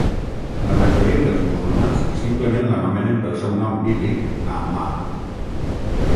La majoria dels musulmans simplement l'anomenen pel seu nom bíblic Naamah.